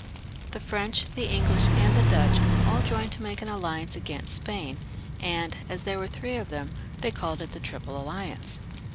The French, the English, and the Dutch, aU joined to make an aUiance against Spain, and as there were three of them, they called it The Triple Alliance.